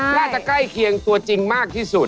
ใกล้เคียงตัวจริงมากที่สุด